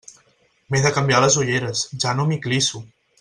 M'he de canviar les ulleres, ja no m'hi clisso.